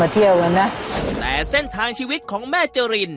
แต่เส้นทางชีวิตของแม่เจอริน